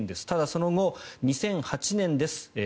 ただ、その後２００８年です。